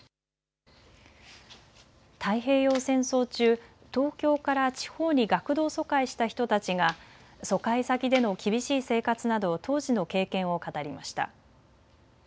太平洋戦争中、東京から地方に学童疎開した人たちが疎開先での厳しい生活など当時の経験を語りました。